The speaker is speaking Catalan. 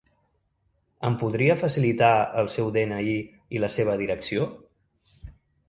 Em podria facilitar el seu de-ena-i i la seva direcció?